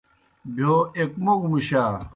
بِہیو ایک موگوْ مُشا۔